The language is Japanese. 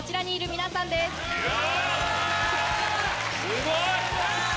すごい！